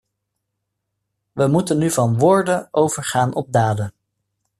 We moeten nu van woorden overgaan op daden.